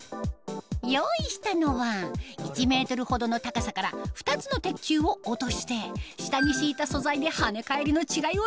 用意したのは１ｍほどの高さから２つの鉄球を落として下に敷いた素材で跳ね返りの違いを見る装置